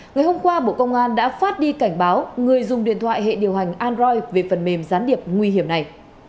ngày hôm qua bộ công an đã phát đi cảnh báo người dùng điện thoại hệ điều hành android về phần mềm gián điệp nguy hiểm này